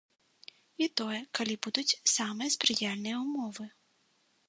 І тое, калі будуць самыя спрыяльныя ўмовы.